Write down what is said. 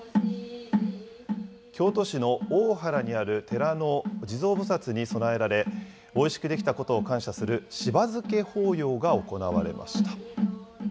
京都市の大原にある寺の地蔵菩薩に供えられ、おいしく出来たことを感謝する、しば漬法要が行われました。